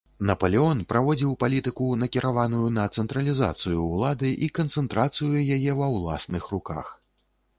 Напалеон праводзіў палітыку, накіраваную на цэнтралізацыю ўлады і канцэнтрацыю яе ва ўласных руках.